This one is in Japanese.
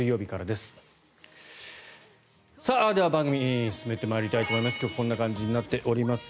では番組を進めてまいりたいと思います。